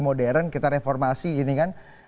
modern kita reformasi ini kan